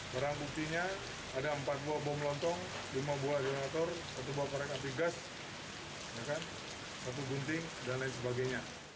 barang buktinya ada empat buah bom lontong lima buah genator satu buah korek api gas satu gunting dan lain sebagainya